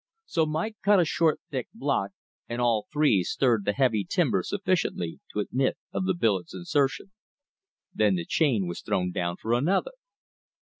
So Mike cut a short thick block, and all three stirred the heavy timber sufficiently to admit of the billet's insertion. Then the chain was thrown down for another.